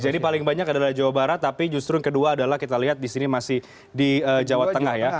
jadi paling banyak adalah jawa barat tapi justru yang kedua adalah kita lihat disini masih di jawa tengah ya